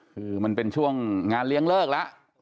คือมันเป็นช่วงงานเลี้ยงเลิกแล้ว